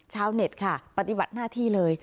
ชาวเน็ตค่ะปฏิบัติหน้าที่เลย